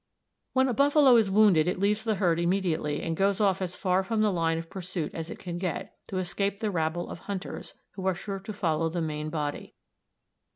When a buffalo is wounded it leaves the herd immediately and goes off as far from the line of pursuit as it can get, to escape the rabble of hunters, who are sure to follow the main body.